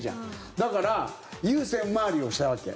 だからＵＳＥＮ回りをしたわけ。